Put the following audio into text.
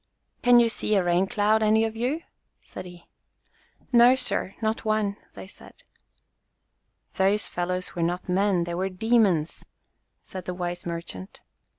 "Can you see a rain cloud, any of you ?" said he. "No, sir, not one," they said. "Those fellows were not men, they were demons !" said the wise merchant.